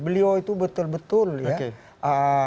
beliau itu betul betul ya